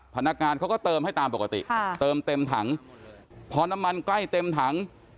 พนักงานเขาก็เติมให้ตามปกติค่ะเติมเต็มถังพอน้ำมันใกล้เต็มถัง